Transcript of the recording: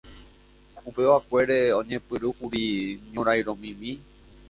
Upevakuére oñepyrũkuri ñorairõmimi.